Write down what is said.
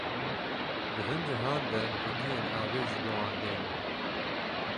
Di hin cihan de qutiyên avê ji bo wan deynin.